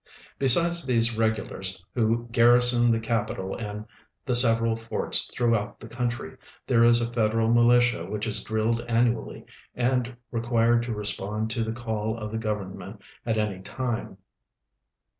Besides these regulars, who garrison the capital and the several forts throughout the country, there is a fed eral militia which is drilled annually and required to respond to the call of the government at any time.